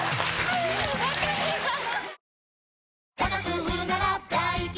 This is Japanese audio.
分かります！